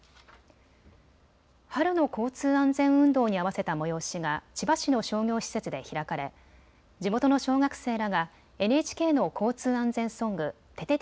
春の交通安全運動に合わせた催しが千葉市の商業施設で開かれ地元の小学生らがＮＨＫの交通安全ソング、ててて！